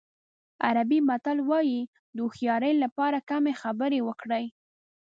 عربي متل وایي د هوښیارۍ لپاره کمې خبرې وکړئ.